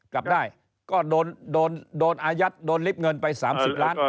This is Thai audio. กลับได้ก็โดนอายัดโดนลิฟต์เงินไป๓๐ล้าน